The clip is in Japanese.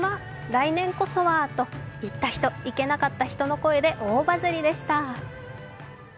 来年こそはと、行った人、行けなかった人で大バズりでした。